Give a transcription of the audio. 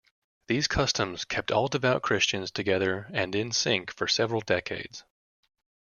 These customs kept all devout Christians together and in sync for several decades.